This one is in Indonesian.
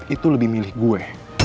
itu lebih milih gue